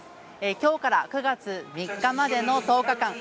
きょうから９月３日までの１０日間